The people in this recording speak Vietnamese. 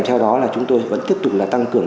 theo đó là chúng tôi vẫn tiếp tục là tăng cường